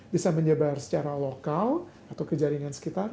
bisa menyebar secara lokal atau ke jaringan sekitar